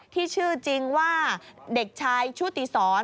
ที่ชื่อจริงว่าเด็กชายชุติศร